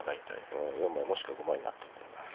うん４枚もしくは５枚になってんだよな。